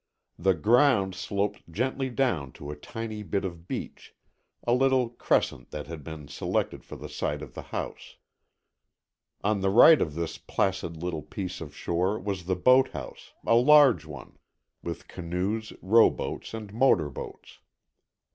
The ground sloped gently down to a tiny bit of beach, a little crescent that had been selected for the site of the house. On the right of this placid little piece of shore was the boathouse, a large one, with canoes, rowboats and motor boats.